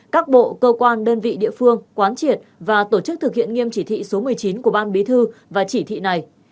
các bộ cơ quan đơn vị địa phương quán triệt và tổ chức thực hiện nghiêm chỉ thị số một mươi chín của ban bí thư và chỉ thị này